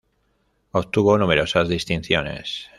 Obtuvo numerosas distinciones.